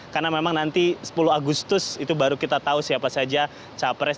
karena memang nanti sepuluh agustus itu baru kita tahu siapa saja capres